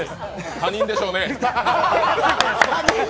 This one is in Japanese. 他人でしょうね？